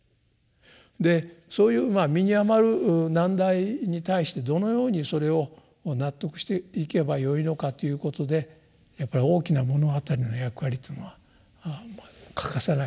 そういう身に余る難題に対してどのようにそれを納得していけばよいのかということでやっぱり「大きな物語」の役割っていうのは欠かせないと思うんですね。